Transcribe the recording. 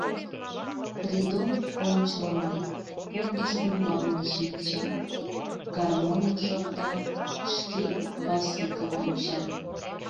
Придон — ончылно, пундыш ӱмбалне шинча, гармоньым шокта, шке Васикым онча.